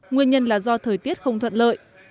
nguyên nhân là do thời tiết không thuận lợi